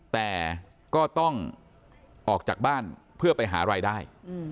แต่ก็ต้องออกจากบ้านเพื่อไปหารายได้